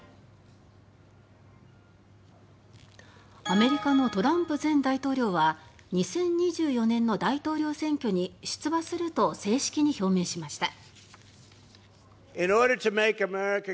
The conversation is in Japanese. アメリカのトランプ前大統領は２０２４年の大統領選挙に出馬すると正式に表明しました。